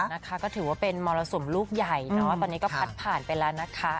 นะคะก็ถือว่าเป็นมรสุมลูกใหญ่เนอะตอนนี้ก็พัดผ่านไปแล้วนะคะ